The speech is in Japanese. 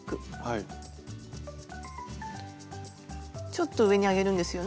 ちょっと上に上げるんですよね。